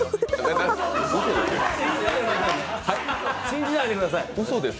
信じないでくださいね。